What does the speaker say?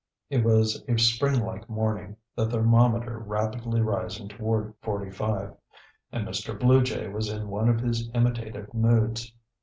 It was a spring like morning, the thermometer rapidly rising toward forty five, and Mr. Blue Jay was in one of his imitative moods.